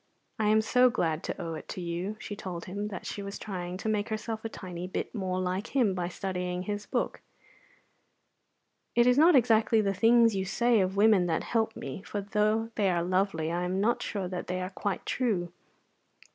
I am so glad to owe it to you." She told him that she was trying to make herself a tiny bit more like him by studying his book. "It is not exactly the things you say of women that help me, for though they are lovely I am not sure that they are quite true.